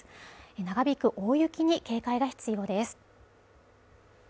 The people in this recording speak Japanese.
長引く大雪に警戒が必要です